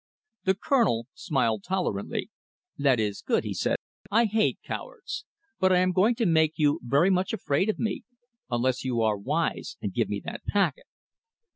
The Colonel smiled tolerantly. "That is good," he said. "I hate cowards. But I am going to make you very much afraid of me unless you are wise and give me that packet."